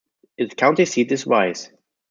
Its county seat is Wise.